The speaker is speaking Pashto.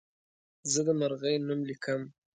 زه د مرغۍ نوم لیکم.